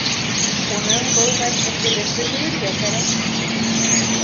— Уның был ғәмһеҙлеген бөтөрөргә кәрәк.